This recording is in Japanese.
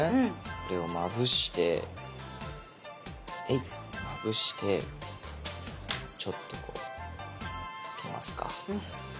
これをまぶしてまぶしてちょっとこうつけますか。